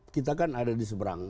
kita kan ada di seberang